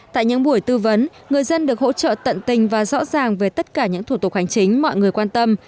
tại những buổi tư vấn người dân được hỗ trợ tận tình và rõ ràng về tất cả những thủ tục hành chính mọi người quan tâm